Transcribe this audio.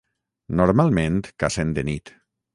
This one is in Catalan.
Normalment cacen de nit.